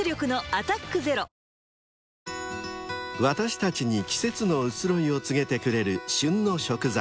［私たちに季節の移ろいを告げてくれる］